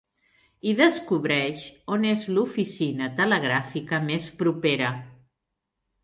I descobreix on és l'oficina telegràfica més propera.